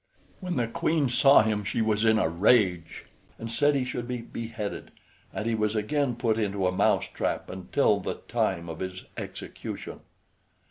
When the Queen saw him she was in a rage, and said he should be beheaded; and he was again put into a mouse trap until the time of his execution.